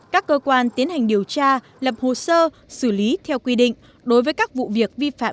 các cơ quan tiến hành điều tra lập hồ sơ xử lý theo quy định đối với các vụ việc vi phạm